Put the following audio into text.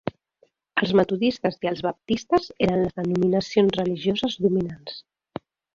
Els metodistes i els baptistes eren les denominacions religioses dominants.